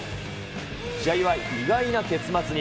試合は意外な結末に。